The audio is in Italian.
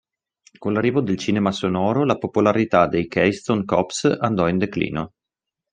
Con l'arrivo del cinema sonoro la popolarità dei Keystone Cops andò in declino.